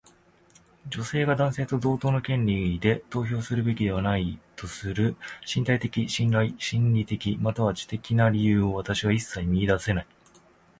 女性が男性と同等の権利で投票するべきではないとする身体的、心理的、または知的な理由を私は一切見いだせない。